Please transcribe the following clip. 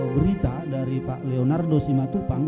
berita dari pak leonardo simatupang